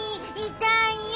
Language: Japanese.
痛いよ！